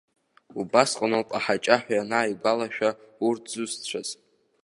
Убасҟаноуп аҳаҷаҳәа ианааигәалашәа урҭ зусҭцәаз.